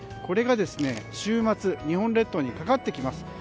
これが週末日本列島にかかってきます。